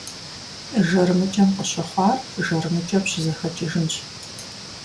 ЖармыкӀэм къыщыхъуар жармыкӀэм щызэхэкӀыжынщ.